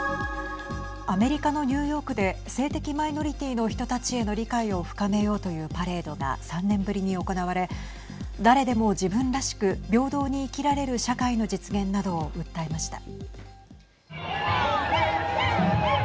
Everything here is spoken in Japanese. アメリカのニューヨークで性的マイノリティーの人たちへの理解を深めようというパレードが３年ぶりに行われ誰でも自分らしく平等に生きられる社会の実現などを訴えました。